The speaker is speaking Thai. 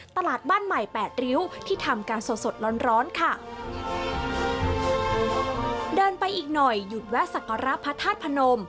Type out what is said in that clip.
ตลาดบ้านใหม่แปดริ้วที่ทำการสดสดร้อนร้อนค่ะเดินไปอีกหน่อยหยุดแวะสักการะพระธาตุพนม